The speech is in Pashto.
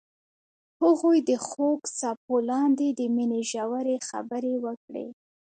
هغوی د خوږ څپو لاندې د مینې ژورې خبرې وکړې.